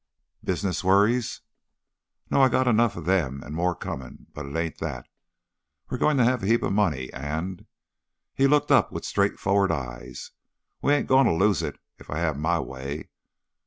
"Business worries?" "No. I got enough of them, an' more comin', but it ain't that. We're goin' to have a heap of money, and" he looked up with straightforward eyes "we ain't goin' to lose it, if I have my way.